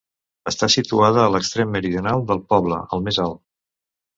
Està situada a l'extrem meridional del poble, el més alt.